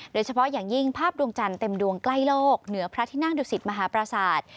โดยเฉพาะอย่างยิ่งภาพดวงจันทร์เต็มดวงใกล้โลกเหนือพระที่นั่งดุสิตมหาปราศาสตร์